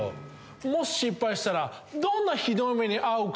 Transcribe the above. もし、失敗したら、どんなひどい目に遭うか。